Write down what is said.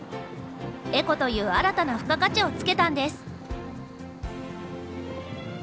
エコという新たな付加価値をつけたんです。